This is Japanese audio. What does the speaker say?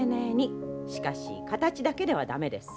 しかし形だけでは駄目です。